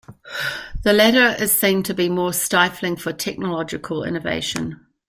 The latter is seen to be more stifling for technological innovation.